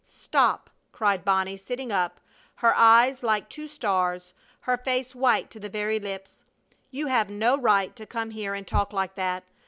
"Stop!" cried Bonnie, sitting up, her eyes like two stars, her face white to the very lips. "You have no right to come here and talk like that!